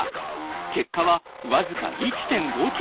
結果はわずか１．５ｋｇ。